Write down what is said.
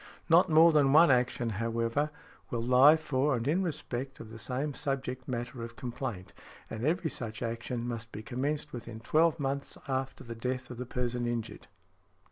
Not more than one action, however, will lie for and in respect of the same subject matter of complaint, and every such action must be commenced within twelve months after the death of the person injured.